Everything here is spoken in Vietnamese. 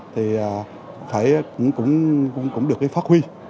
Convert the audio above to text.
thì cũng được phát huy